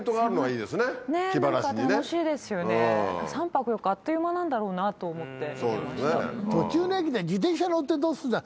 ３泊４日あっという間なんだろうなと思って見てました。